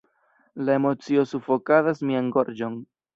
La emocio sufokadas mian gorĝon.